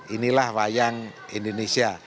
inilah wayang indonesia